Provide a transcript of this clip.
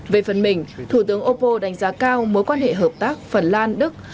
về phần mình thủ tướng opo đánh giá cao mối quan hệ hợp tác phần lan đức